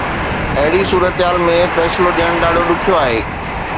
اهڙي صورتحال ۾ فيصلو ڏيڻ ڏاڍو ڏکيو آهي.